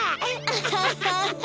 アハハハ！